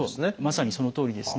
まさにそのとおりですね。